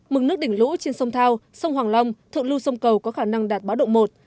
mực nước đỉnh lũ trên sông thao sông hoàng long thượng lưu sông cầu có khả năng đạt báo động một